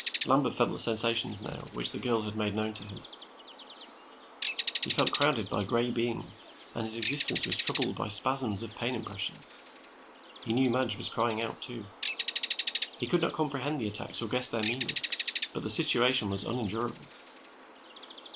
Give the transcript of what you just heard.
Lambert felt the sensations, now, which the girl had made known to him. He felt crowded by gray beings, and his existence was troubled by spasms of pain impressions. He knew Madge was crying out, too. He could not comprehend the attacks, or guess their meaning. But the situation was unendurable.